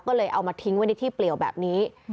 ก็เลยเอามาทิ้งไว้ในที่เปลี่ยวแบบนี้